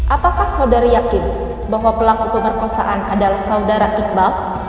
apakah saudara yakin bahwa pelaku pemerkosaan adalah saudara iqbal